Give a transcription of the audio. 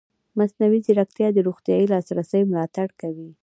مصنوعي ځیرکتیا د روغتیايي لاسرسي ملاتړ کوي.